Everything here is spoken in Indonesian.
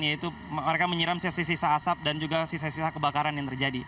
yaitu mereka menyiram sisa sisa asap dan juga sisa sisa kebakaran yang terjadi